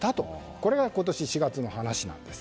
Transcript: これが今年４月の話なんです。